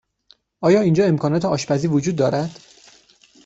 آیا اینجا امکانات آشپزی وجود دارد؟